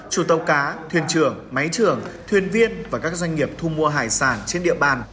chủ tàu cá thuyền trưởng máy trưởng thuyền viên và các doanh nghiệp thu mua hải sản trên địa bàn